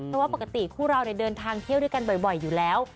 เพราะว่าปกติคู่เราเดินทางเที่ยวด้วยกันบ่อยอยู่แล้ว